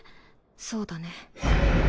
そうだね。